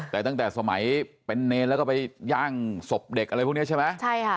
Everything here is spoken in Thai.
แต่ตั้งแต่สมัยเป็นเนรแล้วก็ไปย่างศพเด็กอะไรพวกนี้ใช่ไหมใช่ค่ะ